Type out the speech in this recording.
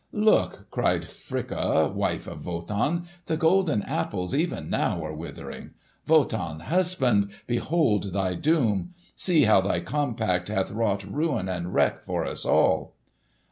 "Look!" cried Fricka, wife of Wotan, "the golden apples even now are withering. Wotan, husband, behold thy doom! See how thy compact hath wrought ruin and wreck for us all!"